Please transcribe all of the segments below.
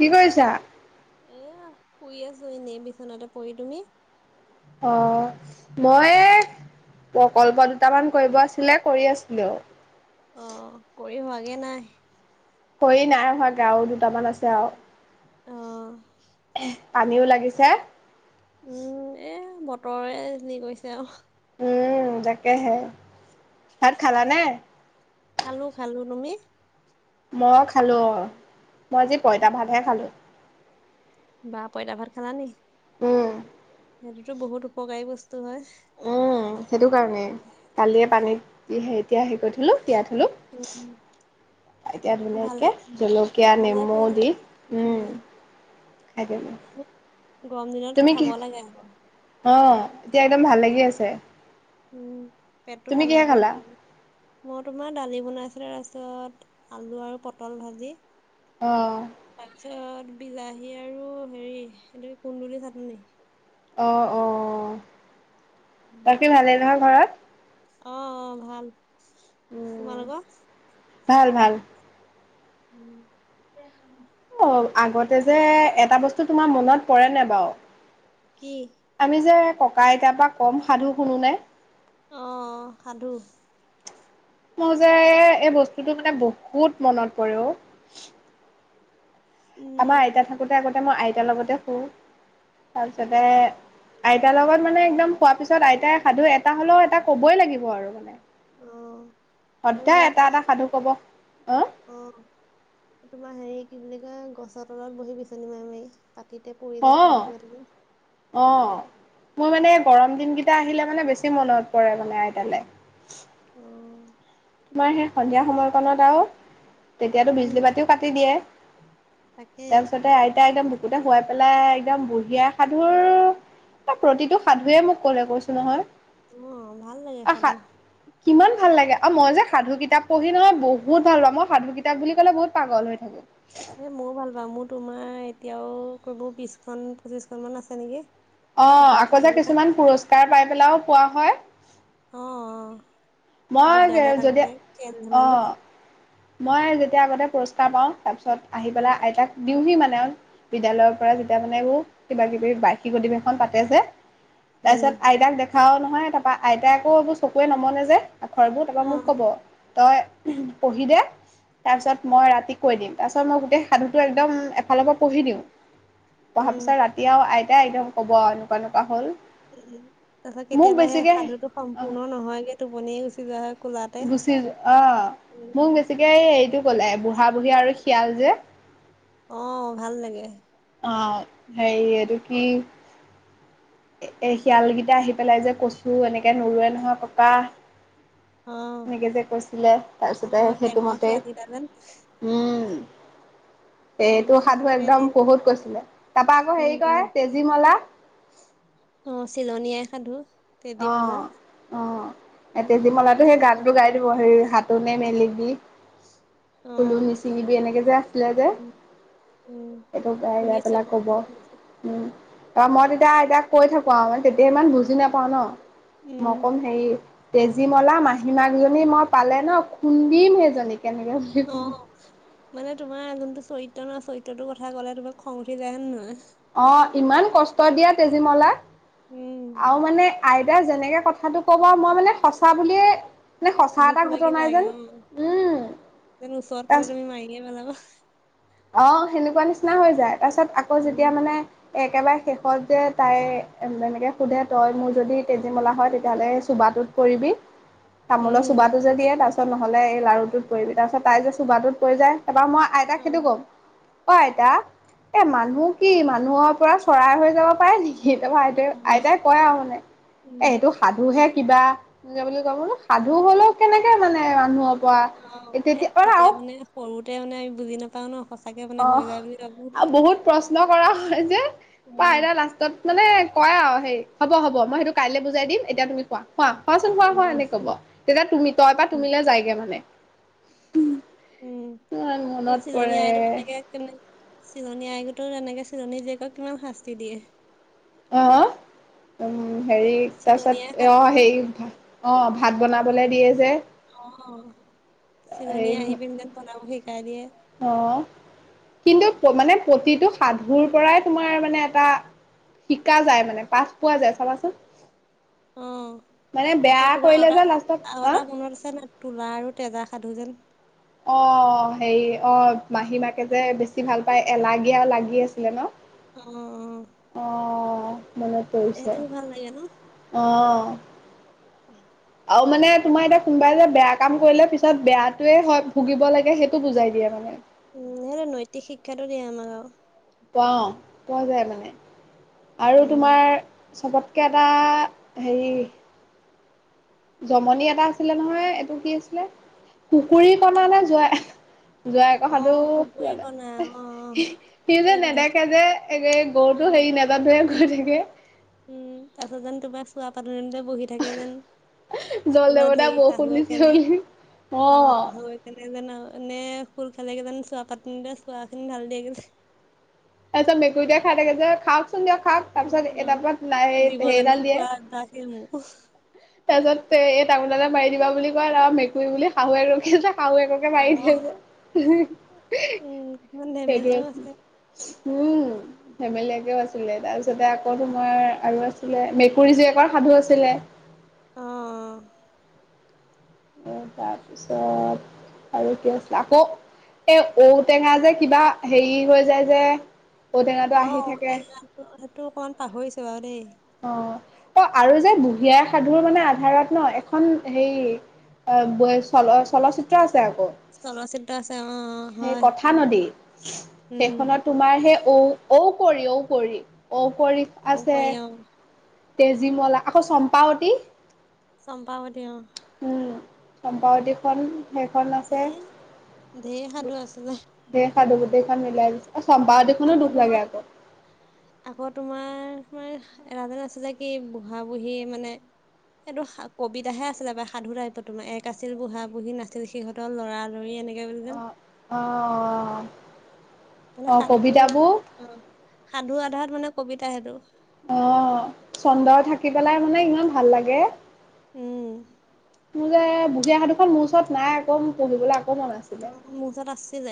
কি কৰিছা? এ শুই আছো এনেই বিচনাতে পৰি। তুমি? অ মই প্ৰকল্প দুটামান কৰিব আছিলে কৰি আছিলো। অ কৰি হোৱাগে নাই। কৰি নাই হোৱা গে আৰু দুটামান আছে আৰু। আহ পানীও লাগিছে উম এ বতৰে যি কৰিছে আৰু? উম তাকেহে ভাত খালা নে? খালো, খালো তুমি? মই খালো অ মই আজি পইতা ভাতহে খালো। বা পইতা ভাত খালা নি? উম সেইটোতো বহুত উপকাৰী বস্তু হয়। উম, সেইটো কাৰণে কালিয়ে পানীত এতিয়া হেৰি কৰি থলোঁ। তিযাই থলো উম এতিয়া ভালে ধুনীয়াকে জলকীয়া ভালে নেমু কৰিলা দি উম আঁ [unintelligible] গৰম দিনত তুমি খাব কি, লাগে আকৌ অ' এতিয়া একদম ভাল লাগি আছে। উম, পেটটো তুমি ঠাণ্ডা কিহে পৰি খালা? থাকিব। মই তোমাৰ দালি বনাইছিলো, তাৰপিছত আলু আৰু পটল ভাজি। অ', তাৰ পিছত বিলাহী আৰু হেৰি এইটো কুন্দুলি চাটনি। অ', অ', উম বাকী ভালেই নহয় ঘৰত? অ', অ', ভাল। উম, তোমালোকৰ ভাল ভাল। উম। [unintelligible] অ আগতে যে এটা বস্তু তোমাৰ মনত পৰে নে নাই বাৰু কি আমি যে ককা-আইতাৰ পৰা কম সাধু শুনো নে। আহ সাধু মই যে এই বস্তুটো মানে বহুত মনত পৰে আমাৰ উম আইতা থাকোতে আগতে মই আইতাৰ লগতে শুওঁ তাৰপিছতে আইতা একে লগত মানে একদম শুৱা পিছত আইতাই সাধু এটা হ'লেও এটা ক'বই লাগিব আৰু মানে অ আৰু সদায় মানে এটা তোমাৰ এটা সাধু কব অ তোমাৰ হেৰি কি বুলি কয় গছৰ তলত বহি বিচনি মাৰি মাৰি, পাতিতে পৰি যে অ'। খালো গৈ অ', মোৰ মানে গৰম দিন কেইটা আহিলে মানে বেছি মনত পৰে মানে আইতালে, অহ তোমাৰ সেই সন্ধিয়া সময়কণ আৰু তেতিয়াতো উম বিজলী বাতিও কাটি দিয়ে তাকে তাৰ পিছতে আইতা একদম বুকুতে শুৱাই পেলাই একদম বুঢ়ী আই সাধুৰ, প্ৰতিটো সাধুৱে মোক কলে কৈছো নহয় অ', ভাল লাগে আৰু সা সাধু কিমান ভাল লাগে? অ', মই যে সাধু কিতাপ পঢ়ি নহয় বহুত ভাল পাওঁ, মই সাধু কিতাপ বুলি ক'লে বহুত পাগল হৈ থাকো। এ মইও ভাল পাওঁ মোৰ তোমাৰ এতিয়াও কবোৰ বিশখন-পঁচিশখন মান আছে নেকি। অ', কিতাপ আকৌ সাধু যে কিতাপ কিছুমান পুৰস্কাৰ পাই পেলাইও পোৱা হয়। অ', বিদ্যালয়ত মই যদি আগতে খেল ধেমালিত। অ', মই এ যেতিয়া আগতে পুৰস্কাৰ পাওঁ, তাৰ পিছত আহি উম পেলাই আইতাক দিওঁহি মানে বিদ্যালয়ৰ পৰা যেতিয়া মানে ও কিবা কিবি বাৰ্ষিক অধিৱেশন পাতে যে উম তাৰছত আইতাক দেখাও নহয় তাৰপা আইতাই আকৌ এইবোৰ চকুৱে নমনে যে। আখৰবোৰ তাৰপৰা অ মোক কব, তই পঢ়ি দে তাৰপিছত মই ৰাতি কৈ দিম, তাৰপিছত মই গোটেই সাধুটো একদম এফালৰ পৰা পঢ়িহি দিওঁ। পঢ়া উম পিছত ৰাতি আও আইতাই একদম কব এনেকুৱা এনেকুৱা হল। উ', তাৰ পিছত মোক কেতিয়াবা সেই বেছিকে সাধুতটো অ সম্পূৰ্ণ নহয়গে টোপনিয়ে গুচি যোৱা হয়। কোলাতে। গুচি যো অ', মোক উম, বেছিকে এ-এইটো কলে বুঢ়া-বুঢ়ী আৰু শিয়াল যে। অ', ভাল লাগে। অ', সেই এইটো কি এ-এই শিয়ালকেইটা আহি পেলাই যে কচু এনেকে নোৰোৱে নহয় ককা অ', এনেকে যে কৈছিলে, তাৰছতে অ', সেইটো টেঙৰ মতেই, শিয়ালিটা যেন। উম। উম, এইেটো সাধু সঁচাকে একদম দেই। বহুত কৈছিলে। তাৰপা আকৌ উম, হেৰি উম, কয় তেজীমলা লা অ', চিলনী আই সাধু। তেজীমলা। অ', অ', এ উম, তেজীমলাতো সেই সঁচাকে গানতটো গাই দেই। দিব সেই হাত কোনে‌ মেলিবি, ফুলো অ', নিচিঙিবা, এনেকে যে আছিলে যে। উম, উম। এইটো গাই, গাই শুনিছো পেলাই আকৌ কব, ময়ো শুনিছো। উম তই মই তেতিয়া আইতাক কৈ থাকো আও, মানে তেতিয়া ইমান বুজি নাপাওঁ ন মই উম, কও হেৰি তেজীমলা মাহী মাকজনী মই পালে ন খুন্দিম সেইজনী, তেনেকে বুলি কও। অ', মানে তোমাৰ যোনটো চৰিত্ৰ নহ, চৰিত্ৰটোৰ কথা ক'লে তোমাক খং উঠি যায় হে নহয়? অ', ইমান কষ্ট দিয়ে তেজীমলাক। উম, আৰু মানে আইতাৰ যেনেকে কথাটো কব মই মানে সঁচা বুলিয়ে মানে সঁচা দুখ এটা লাগি ঘটনা যায় যেন অ', উম যেন ওচৰ তাৰ পালে তুমি মাৰিয়ে পেলাবা। অ', সেনেকুৱা নিচিনা হৈ যায়। তাৰ পিছত আকৌ উম। যেতিয়া মানে একেবাৰে শেষত যে তাই যেনেকৈ সোধে তই মোৰ যদি তেজীমলা হয় তেতিয়াহ'লে চোবা টোত পৰিবি। তামোলৰ উম। চুবাটো যে দিয়ে তাৰপিছত নহ'লে এই লাৰুটোত পৰি তাৰপিছত তাই যে চুবাটোত পৰি যায়। তাৰপৰা মই আইতাক সেইটো অ', কম, অ আইতা, এ মানুহ কি মানুহৰ পৰা চৰাই হৈ যাব পাৰে নেকি? তাপা আইতাই-আইতাই কয় আৰু মানে এ এইটো সাধুহে। কিবা বুলি কব ন সাধু হ'লেও কেনেকে মানে মানুহক অ', এ তেতিয়া মানে সৰুতে মানে আমি বুজি নাপাওঁ ন সচ অ', আও বহুত প্ৰশ্ন কৰা হয় যে, পাই উম, না লাষ্টতত মানে কয় আও হে, হ'ব হ'ব মই সেইটো কাইলৈ বুজাই দিম এতিয়া তুমি শুৱা। শুৱা, শুৱাচোন শুৱা শুৱা, এনেকে কব তেতিয়া তুমি তই পৰা তুমিলে যায়গে মানে। উম, ইমান মনত চিলনী পৰে আইটো তেনেকে কেনে, চিলনী আই গোতৰ তেনেকে চিলনী জীয়েকক কিমান শাস্তি দিয়ে। অ' হেৰি চিলনী তাৰপিছত, আই এ সাধুতো হেৰি অ ভাত বনাবলে দিয়ে যে। অ', চিলনী হেৰি আহি পিনে যেন বনাবহি অ', কিন্ত মানে প্ৰতিটো সাধুৰ পৰাই তোমাৰ মানে এটা শিকা যায় মানে পাঠ পোৱা যায় চাবাচোন। অ', মানে বেয়া আকৌ তোমাৰ আৰু কৰিলে এটা যে লাষ্টত আৰু অ এটা মনত আছে নাই, তোলা আৰু তেজা? সাধু যেন অ', হেৰি অ', মাহী মাকে যে বেছি ভাল পায় এলাগী আৰু লাগি আছিলে ন? অ'। মন পৰিছে, সেইটোও ভাল লাগে ন অ'। আৰু মানে তোমাৰ এতিয়া কোনোবাই যে বেয়া কাম কৰিলে পিছত বেয়াটোৱে হয় ভুগিব লাগে সেইটো বুজাই দিয়ে মানে। উম, সেইটো নৈতিক শিক্ষাটো দিয়ে আমাৰ গাওঁ। পাওঁ। পোৱা যায় মানে আৰু উম, তোমাৰ চবতকে এটা হেৰি জমনি এটা আছিলে নহয় এইটো কি আছিলে, কুকুৰি কণা নে যোৱা জোৱাইৰ অ সাধু পুখুৰী কণা বেলেগ অ সি যে এইটো নেদেখে যে অ গৰুটো হেৰি নিজত ধৰি গৈ থাকে। উম, তাৰছত যে তোমাৰ চোৱা পাতলিটে বহি থাকে যেন, জল তাছত দেৱতা হেৰি বৰষুণ শাহুৱে দিছে কেনে বুলি অ', শাহুৱে কেনে এনে ফুল খালে জানো চোৱা কাটি নিলিয় চোৱা খিনি ঢালি দিয়ে গে যে? তাছত মেকুৰীটোৱে খাই থাকে যে দিয়ক খাক অ তাৰপিছত এ তাপা অ জীৱ [unintelligible] জন্তু সেইডাল দিয়ে। খোৱা অভ্যাসে মোৰ তাৰপিছত এ এই টাঙোন দালে মাৰি দিব বুলি কয় [unintelligible] মেকুৰী বুলি শাহুৱেকে যে শাহুয়েককে অ মাৰি দিয়ে যে, উম কিছুমান সেইটো ধেমেলীয়াও আছে আছিলে। উম, ধেমেলীয়াকেওঁ আছিলে তাৰপিছতে আকৌ উম তোমাৰ আৰু আছিলে মেকুৰী জীয়েকৰ সাধু আছিলে। অ'। অ', তাৰপিছত আৰু কি আছিলে? আকৌ এ ঔটেঙা যে কিবা হেৰি হৈ যায় যে? ঔটেঙটো আহি থাকে। তোৰ অকণমান পাহৰিছো বাৰু দেই। অ', অ', আৰু যে বুঢ়িয়াই সাধুৰ মানে আধাৰত ন এখন হেৰী অ', চল চলচিত্ৰ আছে আকৌ। চলচিত্ৰ আ সেই কথা নদী উম সেইখনত তোমাৰ সেই ঔ ঔ কৰি ঔ কৰি ঔ কৰি আছে। ঔকৰি অ তেজীমলা আকৌ চম্পাৱতী। চম্পাৱতী অ। উম চম্পাৱতীখন সেইখন আছে ধেৰ ধেৰ সাধু আছে দেশ। সাধু বুটখন মিলাই দিছে অ সম্পাবতিখনো আকৌ দুখ লাগে তোমাৰ আকৌ। এহ এৰান আছে যে কি বুঢ়া বুঢ়ী মানে। সেইটো কবিতাহে আছিলে সাধু টাইপৰ তোমাৰ এক আছিল বুঢ়া বুঢ়ী নাছিল সিহঁতৰ লৰালৰি। হেনেকে বুলিকয়। অ', অ', অ'। মানে সাধু কবিতাবোৰ অ', সাধু আধাৰত মানে কবিতা সেইটো। অ', চন্দৰ থাকি পেলাই মানে ইমান ভাল লাগে। উম। মোৰযে বুজীয়া সাধুখন মোৰ ওচৰত নাই আকৌ পঢ়িবলৈ মন আছিলে অ', মোৰ ওচৰত‌ আছিলে।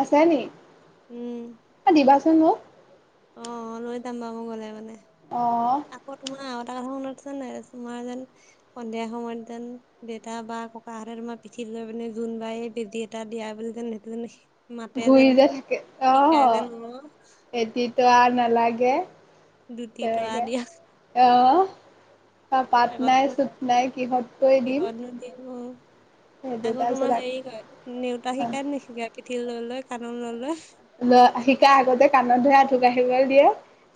আছে নি? উম অ', দিবাচোন মোক। অ', লৈ যাম বাৰু মই গলে মানে, অ আকৌ তোমাৰ আৰু এটা কথা শু আৰু তোমাৰ যেন সন্ধিয়া সময়ত যেন দেউতা বা ককাহঁতে তোমাৰ পিঠিত লৈ পিনে জোনবাই এ বেটি এটা দিয়া বুলি যেন সেইটো [unintelligible] ঘূৰি যেন যে থাকে অ শিকাই যে ন এটি তৰা নালাগে। দুটি তৰা তেনেকে দিয়া আহ। পাত আগত নাই মই চুপ নাই কিহতকই দিম। কিহতনো অ সেইটো আকৌ তাৰপিছত তোমাৰ হেৰি কয় নেওতা অ শিকাই নেশিকা পিঠি ল লৈ কানন লয় লৈ। ল শিকা আগতে কাণত ধুই অ আঁঠু কাঢিবলৈ দিয়ে।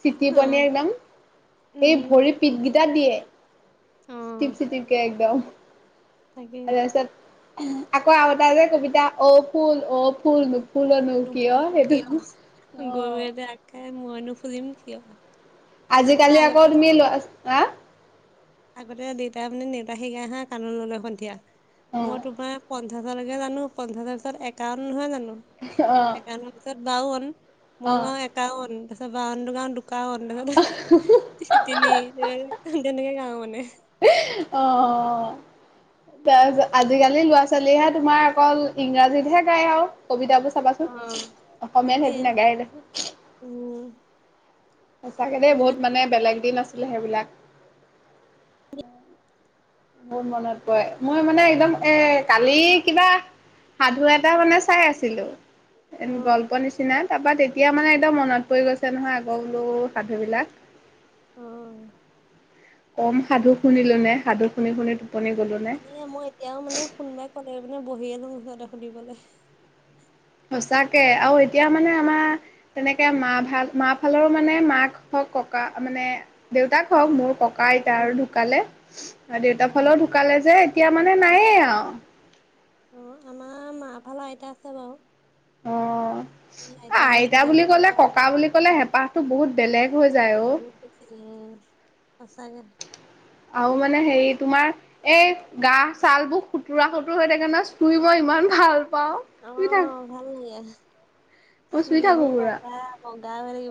চিটি অ পনীয়ে একদম এই উম ভৰি পিত কেইটা দিয়ে। অ চিতিপ চিতিপকে একদম। তাকে তাৰপিছত আকৌ আৰু এটা যে কবিতা অ ফুল অ ফুল। পুনৰ ন। ল কিয় গৰুৱে যে আগ খাই মই নো ফুজম কিয়। আজিকালি আকৌ আগতে তুমি ল হা। আগতে দেউতা মানে নেউতা শিগাই আহা কাণৰ ললে সন্ধিয়া অ মই তোমাৰ। পঞ্চাছলৈকে জানো পঞ্চাছৰ, পিছত একাউন নহয় জানো অ একাৱনৰ পিছত বাওৱন। মগাঁও একাউন তাৰছত বাওৱন টো গাও দু। কাৱন তি তিনি তেনেকে গাওঁ মানে। অঁ। তাৰপিছত আজিকালি লৰা ছোৱালীয়েহে তোমাৰ অকল ইংৰাজীতহে গায় আৰু কবিতা বো। অ তাকে দেখোন উম। সঁচাকে দেই বহুত আমাৰ মানে বেলেগ দিন আছিলে সেইবিলাক। মোৰ মনত পৰে মই মানে একদম এ কালি কিবা। সাধু এটা মানে চাই আছিলো এ অ', গল্প নিচিনা। তাৰাপা তেতিয়া মানে একদম মনত পৰি গৈছে নহয় আগ বোলো সাধু বিলাক। অ। কম সাধু শুনিলো নে সাধু শুনি শুনি। টোপনি গ'লো নে। এনে মই এতিয়াও মানে কোনোবাই ক'লে মানে বহিয়ে লও ওচৰতে সুধিবলৈ। সচাকে আৰু এতিয়া মানে আমাৰ তেনেকে মা ভাল মাহ ফালৰো মানে মাক হক। ককা মানে দেউতাক হওক মোৰ ককা। কা এতা উম। আৰু ঢুকালে আৰু দেউতাৰ ফালেও অ', ঢুকালে যে। এতিয়া মানে নায়ে আৰু। অ আমাৰ মা ফালা আইতা আছে বাৰু। অ। অ এ আহিলে আইতা বুলি কেতিয়াবা কলে কৰে আৰু ককা বুলি কলে হেঁপাহতো বহুত বেলেগ হৈ যায় অ। বহুত বেছি উম সঁচাকে আৰু মানে হেৰি তোমাৰ এই গা চাল বোৰ সুতুৰা সুতৰ হৈ থাকে নহয় চুই [unintelligible] ইমান ভাল পাওঁ অ চুই থাক ভাল লাগে মই চুই চুলি থাকো বোৰ পুৰা পকা বগা কৰি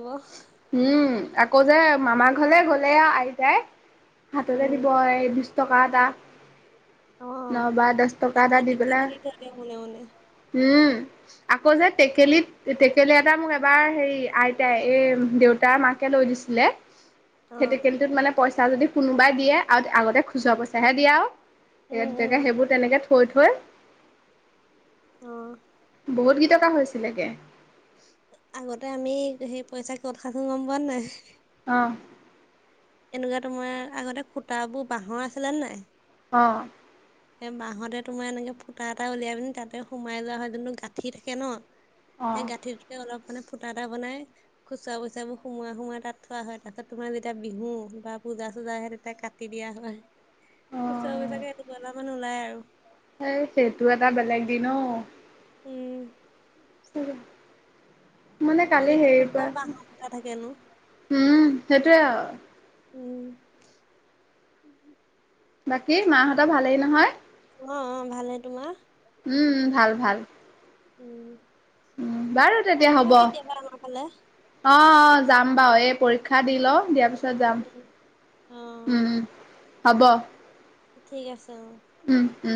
উম আকৌ যে মামা ঘৰলে গ'লে আইতাই হাততে উম, দিব এই বিশ টকা এটা অ'। ন বা দহ টকা হাতত এটা দি টিপা পেলাই টিপি ধৰে মোনে মোনে হুম আকৌ যে টেকেলিত টেকেলি এটা মোক এবাৰ হেৰি আই। আইতাই এই দেউতাৰ মাকে লৈ দিছিলে সেইটো অ', কেন্তত মানে পইচা যদি কোনোবাই দিয়ে আৰু আগতে খুজুৰা পইচাহে দিয়া উম, আৰু তেতিয়া উম, সেইবোৰ তেনেকে থৈ থৈ অ বহুত গীতকা হৈছিলেগে আগতে আমি সেই পইচা কত সাছো গম পোৱা নে নাই। আহ এনেকুৱা তোমাৰ আগতে খুতাবোৰ বাঁহৰ আছিলে নে নাই- অ এ বাঁহতে তোমাৰ এনেকে ফুটা এটা উলিয়াই পিনি তাতে সোমাই যোৱা হয় যোনটো গাঁঠি থাকে। ন অ সেই গাঁঠিটোকে অলপ মানে ফুটা এটা বনাই খুচুৰা পইচাবোৰ সোমাই সোমাই তাত থোৱা হয় তাৰপিছত তোমাৰ যেতিয়া বিহু বা পূজা চূজা আহে তেতিয়া কাট [unintelligible] কাটি দিয়া হয় অ খুচৰা পইচাকে এহেজাৰ মান ওলাই আৰু এই সেইটো এটা বেলেগ দিন অ উম উ [unintelligible] মানে কালি আজিকালিনো হেৰি ক'ৰ পৰা বাঁহৰ খুটা থাকেনো উম সেইটোৱে আৰু উম বাকী মাহঁতৰ ভালেই নহয় অ অ ভালে তোমাৰ উম ভাল ভাল ভাল উম উ বাৰু তেতিয়া হব আহিবা অ কেতিয়াবা আমাৰ ফালে অ যাম বা এই পৰীক্ষা দি লও দিয়াৰ পিছত যাম উম অ উম হ'ব ঠিক আছে অ উম, উম